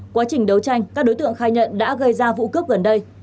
quá trình đấu tranh các đối tượng khai nhận đã gây ra vụ cướp gần đây